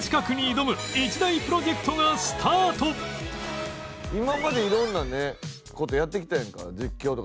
わけで番組初今まで色んな事やってきたやんか実況とか。